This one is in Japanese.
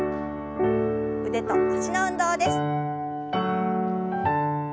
腕と脚の運動です。